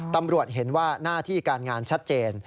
ตำรวจเห็นว่าหน้าที่การงานชัดเจน